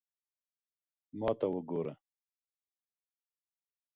ما ته وګوره